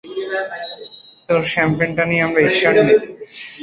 তোর শ্যাম্পেন টা নিয়ে আমরা ঈর্ষান্বিত।